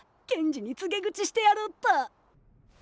謙二に告げ口してやろっと。